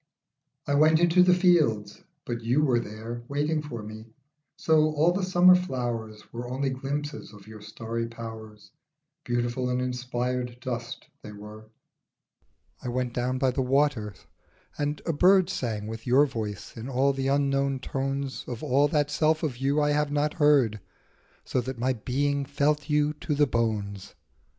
I WENT into the fields, but you were there Waiting for me, so all the summer flowers Were only glimpses of your starry powers ; Beautiful and inspired dust they were. I went down by the waters, and a bird Sang with your voice in all the unknown tones Of all that self of you I have not heard, So that my being felt you to the bones.